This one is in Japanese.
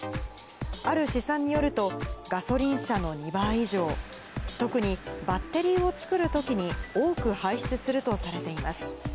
ある試算によると、ガソリン車の２倍以上、特に、バッテリーを作るときに多く排出するとされています。